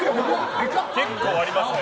結構ありますね。